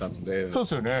そうですよね。